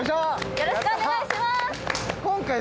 よろしくお願いします。